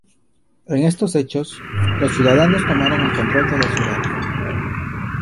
En estos hechos, los ciudadanos tomaron el control de la ciudad.